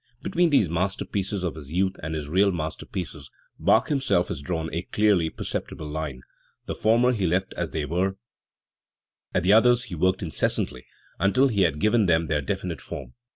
Between these masterpieces of his youth and his real masterpieces Bach himself has drawn a clearly perceptible line; the former he left as they were; at the others he worked incessantly until he had given them their definite form.